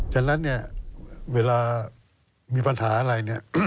ฉะนั้นเวลามีปัญหาอะไร